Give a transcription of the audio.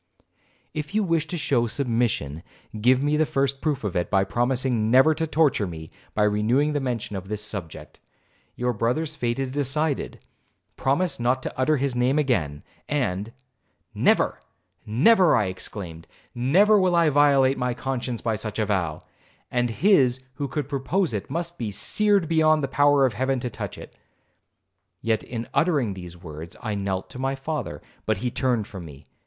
'If you wish to show submission, give me the first proof of it, by promising never to torture me by renewing the mention of this subject. Your brother's fate is decided,—promise not to utter his name again, and—' 'Never,—never,' I exclaimed, 'never will I violate my conscience by such a vow; and his who could propose it must be seared beyond the power of Heaven to touch it.' Yet, in uttering these words, I knelt to my father, but he turned from me.